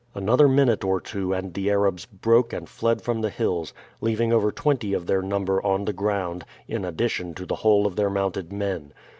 Another minute or two and the Arabs broke and fled from the hills, leaving over twenty of their number on the ground, in addition to the whole of their mounted men.